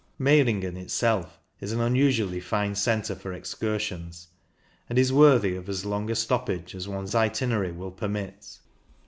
Meiringen itself is an unusually fine centre for excursions, and is worthy of as long a stoppage as one's itinerary will permit.